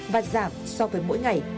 và giảm so với mỗi ngày